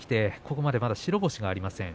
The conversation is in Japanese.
ここまで白星がありません。